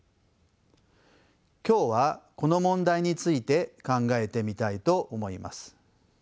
今日はこの問題について考えてみたいと思います。